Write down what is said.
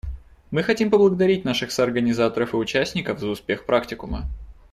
Мы хотим поблагодарить наших соорганизаторов и участников за успех практикума.